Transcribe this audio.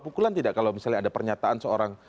pukulan tidak kalau misalnya ada pernyataan seorang